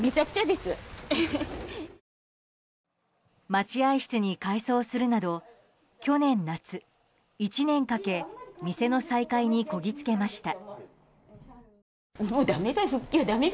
待合室に改装するなど去年夏、１年かけ店の再開にこぎつけました。